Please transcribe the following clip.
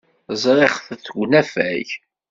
Ẓriɣ-t deg unafag.